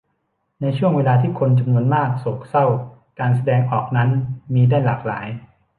ในช่วงเวลาที่คนจำนวนมากโศกเศร้า การแสดงออกนั้นมีได้หลากหลาย